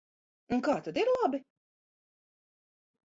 Un kā tad ir labi?